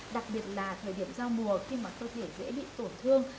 đặc biệt là thời điểm giao mùa khi mà cơ thể dễ bị tổn thương